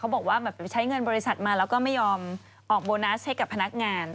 บอกว่าแบบใช้เงินบริษัทมาแล้วก็ไม่ยอมออกโบนัสให้กับพนักงาน